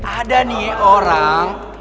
ada nih orang